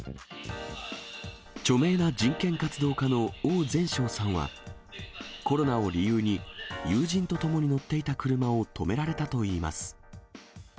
著名な人権活動家の王全しょうさんは、コロナを理由に、友人と共に乗っていた車を止められたといいます。